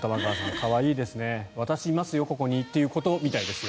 可愛いですね私いますよ、ここにっていうことみたいですよ。